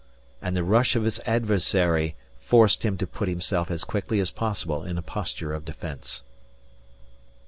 and the rush of his adversary forced him to put himself as quickly as possible in a posture of defence.